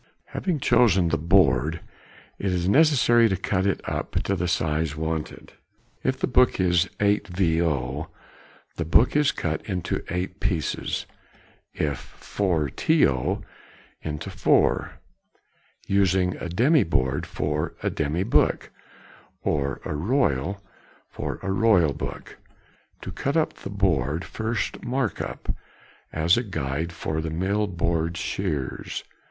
] Having chosen the board, it is necessary to cut it up to the size wanted. If the book is 8vo., the board is cut into eight pieces; if 4to., into four; using a demy board for a demy book, or a royal for a royal book. To cut up the board, first mark up, as a guide for the mill board shears.